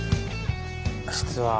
実は。